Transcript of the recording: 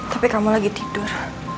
tapi kamu lagi tidur